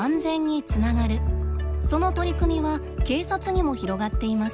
その取り組みは警察にも広がっています。